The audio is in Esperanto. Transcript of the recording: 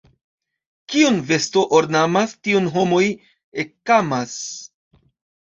Kiun vesto ornamas, tiun homoj ekamas.